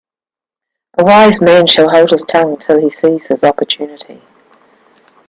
A wise man shall hold his tongue till he sees his opportunity.